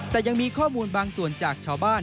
แต่ยังมีข้อมูลบางส่วนจากชาวบ้าน